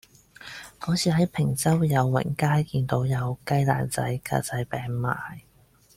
嗰次喺坪洲友榮街見到有雞蛋仔格仔餅賣